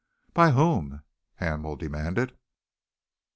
"By whom?" Hamel demanded.